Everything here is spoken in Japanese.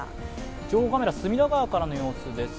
情報カメラ、隅田川からの様子です。